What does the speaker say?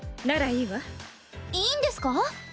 ならいいわ。いいんですか？